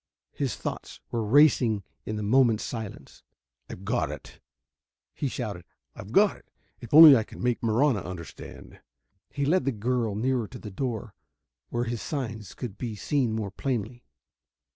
His thoughts were racing in the moment's silence. "I've got it," he shouted. "I've got it! If only I can make Marahna understand!" He led the girl nearer to the door, where his signs could be seen more plainly.